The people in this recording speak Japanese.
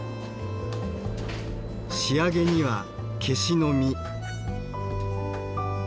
仕上げにはケシの実。